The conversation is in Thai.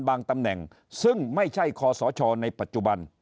ตำแหน่งซึ่งไม่ใช่คอสชในปัจจุบัน